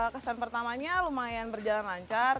kesan pertamanya lumayan berjalan lancar